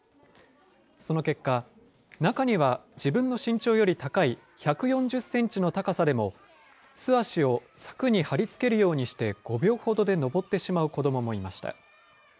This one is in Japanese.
その結果、中には、自分の身長より高い１４０センチの高さでも、素足を柵に貼り付けるようにして５秒ほどで登ってしまう子どももいました。